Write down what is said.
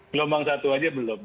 gelombang satu aja belum